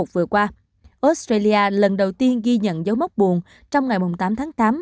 vừa qua australia lần đầu tiên ghi nhận dấu mốc buồn trong ngày tám tháng tám